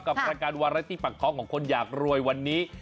กับประการวาราติปังคล้องของคนอยากรวยวันนี้